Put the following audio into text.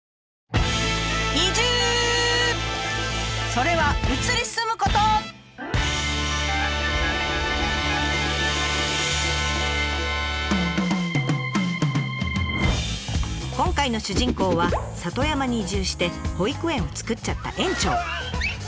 それは今回の主人公は里山に移住して保育園を作っちゃった園長。